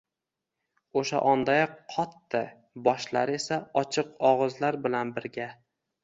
o‘sha ondayoq qotdi, boshlar esa ochiq og‘izlar bilan birga